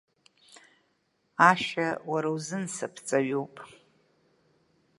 Ашәа уара узын саԥҵаҩуп.